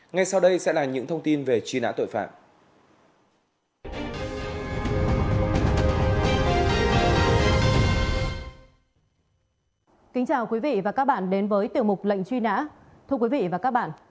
ngay sau đây sẽ là những thông tin về truy nã tội phạm